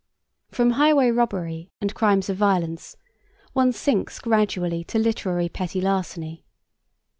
From highway robbery and crimes of violence one sinks gradually to literary petty larceny.